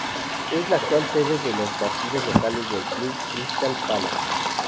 Es la actual sede de los partidos locales del club Crystal Palace.